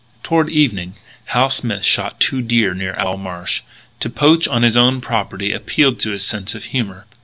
Toward evening Hal Smith shot two deer near Owl Marsh. To poach on his own property appealed to his sense of humour.